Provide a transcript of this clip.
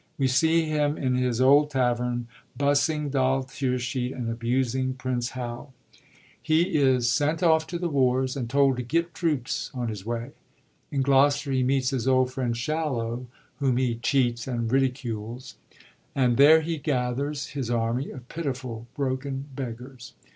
We see him in his old tavern, bussing Doll Tearsheet and abusing Prince Hal. He is I — G 99 HENRY IV., PART 2, AND HENRY V. sent off to the wars, and told to get troops on fais way. In Gloster he meets his old friend Shallow, whom he cheats and ridicules ; and there he gathers his army of pitiful broken beggars.